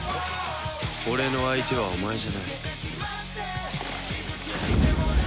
俺の相手はお前じゃない。